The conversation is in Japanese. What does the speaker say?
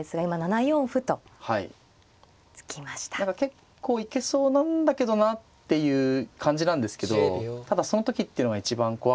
結構行けそうなんだけどなっていう感じなんですけどただその時っていうのが一番怖くて。